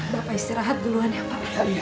bapak istirahat duluan ya pak